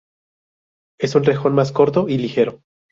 Es un rejón más corto y ligero.